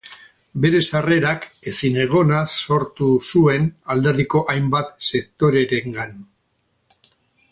Bere sarrerak ezinegona sortu zuen alderdiko hainbat sektorerengan.